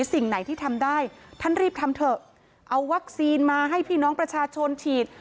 สิ่งไหนที่ทำได้ท่านรีบทำเถอะเอาวัคซีนมาให้พี่น้องประชาชนฉีด